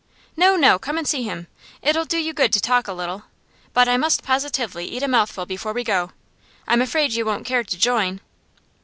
'No, no; come and see him. It'll do you good to talk a little. But I must positively eat a mouthful before we go. I'm afraid you won't care to join?